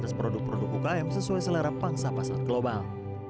proses produk produk ukm sesuai selera pangsa pasar global